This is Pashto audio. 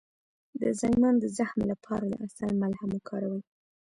د زایمان د زخم لپاره د عسل ملهم وکاروئ